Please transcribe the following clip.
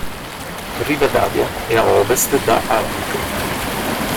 Rivadavia e a ovest da Av.